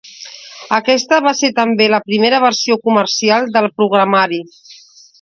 Aquesta va ser també la primera versió comercial del programari.